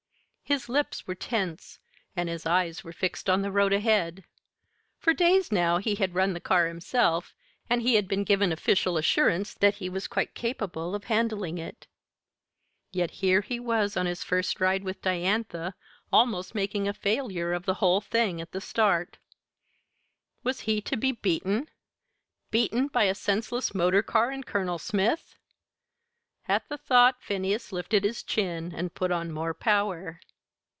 His lips were tense, and his eyes were fixed on the road ahead. For days now he had run the car himself, and he had been given official assurance that he was quite capable of handling it; yet here he was on his first ride with Diantha almost making a failure of the whole thing at the start. Was he to be beaten beaten by a senseless motor car and Colonel Smith? At the thought Phineas lifted his chin and put on more power.